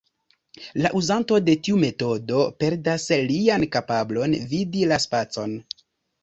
La uzanto de tiu metodo perdas lian kapablon vidi la spacon.